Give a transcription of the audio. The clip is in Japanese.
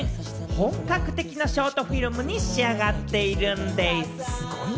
本格的なショートフィルムに仕上がっているんでぃす。